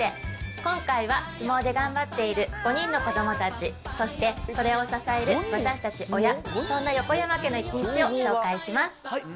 今回は相撲で頑張っている５人の子どもたち、そしてそれを支える私たち親、そんな横山家の一日を紹介します。